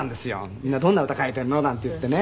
みんなどんな歌書いてるの？なんて言ってね